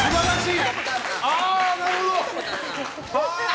なるほど。